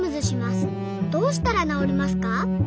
どうしたら治りますか？」